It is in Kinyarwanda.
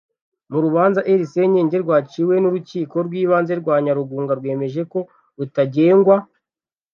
mu rubanza rc nyge rwaciwe n urukiko rw ibanze rwa nyarugunga rwemeje ko rutagengwa